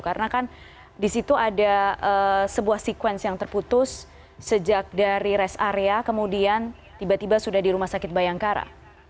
karena kan di situ ada sebuah sekuens yang terputus sejak dari res area kemudian tiba tiba sudah di rumah sakit bayangkara